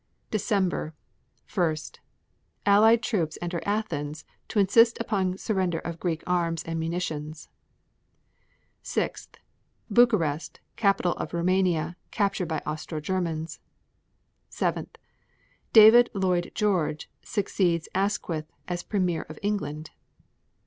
December 1. Allied troops enter Athens to insist upon surrender of Greek arms and munitions. 6. Bucharest, capital of Roumania, captured by Austro Germans. 7. David Lloyd George succeeds Asquith as premier of England.